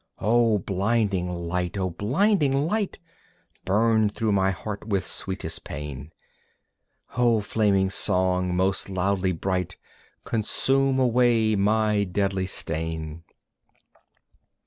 O blinding Light, O blinding Light! Burn through my heart with sweetest pain. O flaming Song, most loudly bright, Consume away my deadly stain!